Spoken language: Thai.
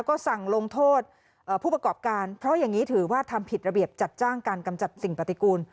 ก็สั่งลงโทษผู้ประกอบการเพราะอย่างนี้ถือว่าทำผิดระเบียบจัดจ้างการกำจัดสิ่งปฏิกูล